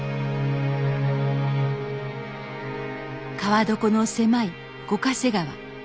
川床の狭い五ヶ瀬川。